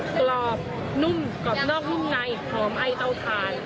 กรอบนุ่มกรอบนอกนุ่มในหอมไอเตาถ่าน